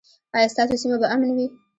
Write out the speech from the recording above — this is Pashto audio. ایا ستاسو سیمه به امن وي؟